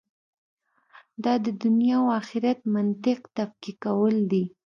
دا د دنیا او آخرت منطق تفکیکول دي.